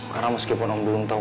karena meskipun om dudung tahu